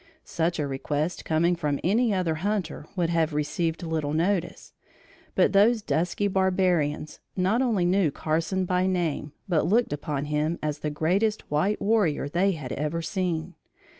Such a request coming from any other hunter would have received little notice; but those dusky barbarians not only knew Carson by name, but looked upon him as the greatest white warrior they had ever seen.